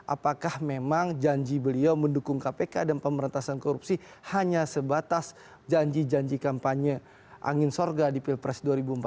apakah memang janji beliau mendukung kpk dan pemberantasan korupsi hanya sebatas janji janji kampanye angin sorga di pilpres dua ribu empat belas